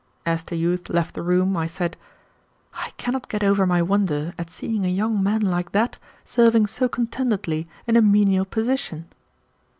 As the youth left the room, I said, "I cannot get over my wonder at seeing a young man like that serving so contentedly in a menial position."